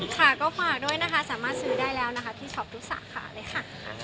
ค่ะก็ฝากด้วยนะคะสามารถซื้อได้แล้วนะคะพี่ช็อปทุกสาขาเลยค่ะ